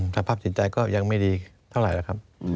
สภาพจิตใจก็ยังไม่ดีเท่าไหร่แล้วครับ